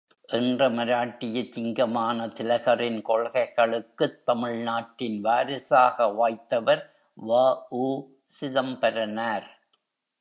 என்ற மராட்டியச் சிங்கமான திலகரின் கொள்கைகளுக்குத் தமிழ் நாட்டின் வாரிசாக வாய்த்தவர் வ.உ.சிதம்பரனார்!